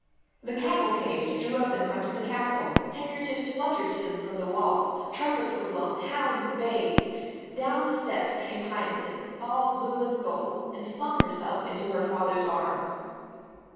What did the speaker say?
The cavalcade drew up in front of the castle. Handkerchiefs fluttered to them from the walls; trumpets were blown; hounds bayed. Down the steps came Hyacinth, all blue and gold, and flung herself into her father's arms.